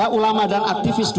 yang bertemu dengan presiden